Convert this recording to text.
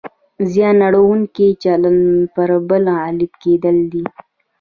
زیان اړونکی چلند پر بل غالب کېدل دي.